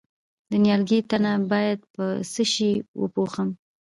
د نیالګي تنه باید په څه شي وپوښم؟